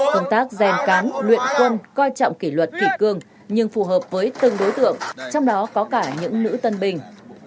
công tác rèn cán luyện quân coi trọng kỷ luật kỷ cương nhưng phù hợp với từng đối tượng trong đó có cả những nữ tân bình